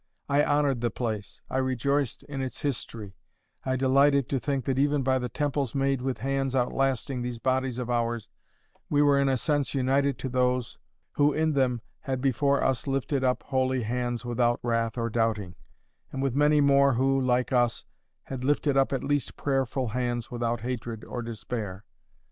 I honoured the place; I rejoiced in its history; I delighted to think that even by the temples made with hands outlasting these bodies of ours, we were in a sense united to those who in them had before us lifted up holy hands without wrath or doubting; and with many more who, like us, had lifted up at least prayerful hands without hatred or despair.